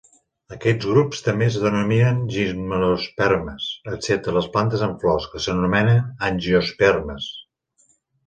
Aquests grups també es denominen gimnospermes, excepte les plantes amb flors, que s'anomenen angiospermes.